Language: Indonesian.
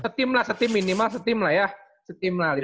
setim lah setim minimal setim lah ya setim lah rp lima puluh